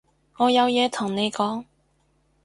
我有嘢同你講